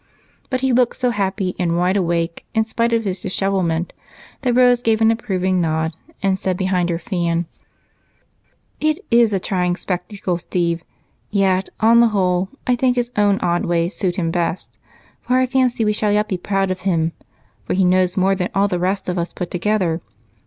But he looked so happy and wide awake, in spite of his dishevelment, that Rose gave an approving nod and said behind her fan: "It is a trying spectacle, Steve yet, on the whole, I think his own odd ways suit him best and I fancy we shall be proud of him, for he knows more than all the rest of us put together.